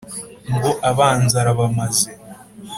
Ngo Abanzi arabamaze